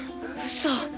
嘘。